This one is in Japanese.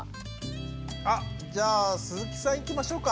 あっじゃあ鈴木さんいきましょうか。